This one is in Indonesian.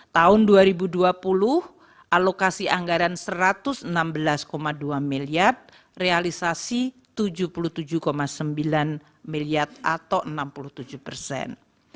tahun dua ribu dua puluh alokasi anggaran rp satu ratus enam belas dua miliar realisasi tujuh puluh tujuh sembilan miliar atau enam puluh tujuh persen